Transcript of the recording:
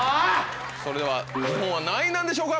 それでは日本は何位なんでしょうか？